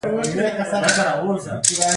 روبوټونه څه کولی شي؟